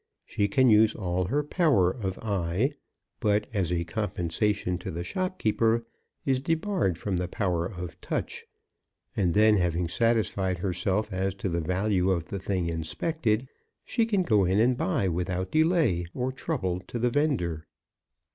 She can use all her power of eye, but, as a compensation to the shopkeeper, is debarred from the power of touch; and then, having satisfied herself as to the value of the thing inspected, she can go in and buy without delay or trouble to the vendor.